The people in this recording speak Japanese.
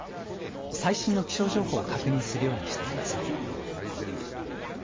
最新の気象情報を確認するようにしてください。